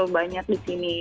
banyak di sini